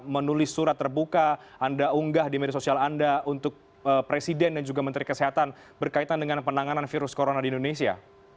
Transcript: menulis surat terbuka anda unggah di media sosial anda untuk presiden dan juga menteri kesehatan berkaitan dengan penanganan virus corona di indonesia